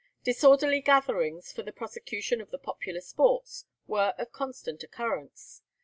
Disorderly gatherings for the prosecution of the popular sports were of constant occurrence.